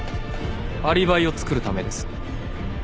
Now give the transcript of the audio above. アリバイを作るためです。